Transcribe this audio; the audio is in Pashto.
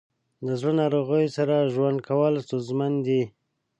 د زړه ناروغیو سره ژوند کول ستونزمن وي.